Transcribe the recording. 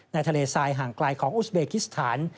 ในทะเลทรายห่างไกลของอุสเบกิสถาน